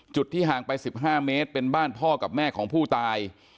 ที่ห่างไป๑๕เมตรเป็นบ้านพ่อกับแม่ของผู้ตาย